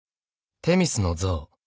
［テミスの像